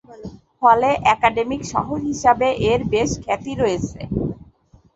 ফলে একাডেমিক শহর হিসেবে এর বেশ খ্যাতি রয়েছে।